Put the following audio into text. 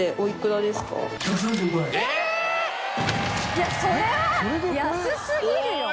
いそれは安すぎるよ。